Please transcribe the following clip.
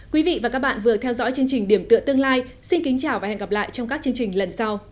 hãy đăng ký kênh để ủng hộ kênh của mình nhé